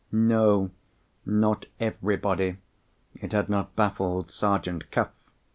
No—not everybody. It had not baffled Sergeant Cuff.